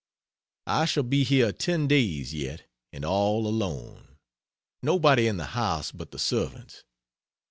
I shall be here ten days yet, and all alone: nobody in the house but the servants.